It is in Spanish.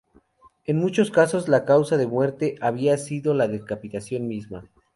En muchos casos la causa de muerte había sido la decapitación misma.